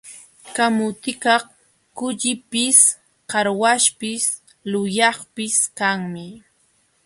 Kamutikaq kullipis, qarwaśhpis, yulaqpis kanmi.